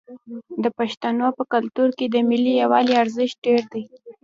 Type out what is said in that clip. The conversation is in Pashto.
د پښتنو په کلتور کې د ملي یووالي ارزښت ډیر دی.